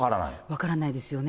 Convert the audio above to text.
分からないですよね。